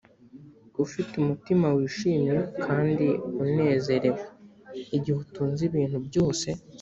ufite umutima wishimye kandi unezerewe igihe utunze ibintu byose,